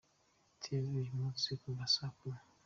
tv uyu munsi kuva saa kumi .